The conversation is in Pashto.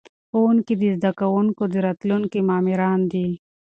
ښوونکي د زده کوونکو د راتلونکي معماران دي.